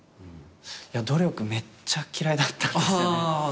努力めっちゃ嫌いだったんですよね。